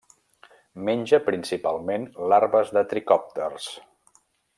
Menja principalment larves de tricòpters.